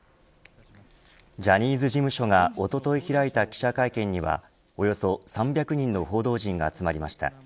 ジャニーズ事務所がおととい開いた記者会見にはおよそ３００人の報道陣が集まりました。